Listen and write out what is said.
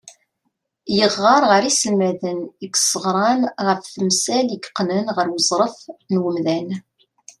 Yeɣɣar ɣer yiselmaden i yesɣran ɣef temsal i iqqnen ɣer uẓref n umdan.